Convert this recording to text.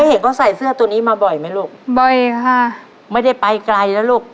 เห็นเขาใส่เสื้อตัวนี้มาบ่อยไหมลูกบ่อยค่ะไม่ได้ไปไกลนะลูก